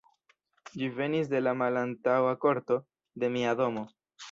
Ĝi venis de la malantaŭa korto, de mia domo.